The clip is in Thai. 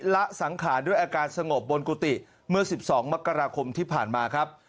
ละสังขารด้วยอาการสงบบนกุฏิเมื่อ๑๒มกราคมที่ผ่านมาครับ